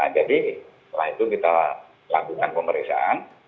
jadi setelah itu kita lakukan pemeriksaan